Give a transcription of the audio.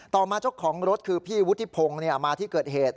ต่อมาเจ้าของรถคือพี่วุฒิพงศ์มาที่เกิดเหตุ